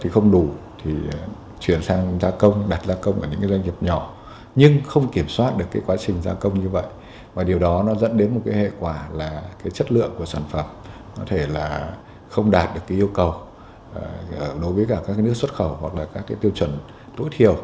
không đạt được yêu cầu đối với các nước xuất khẩu hoặc các tiêu chuẩn tối thiểu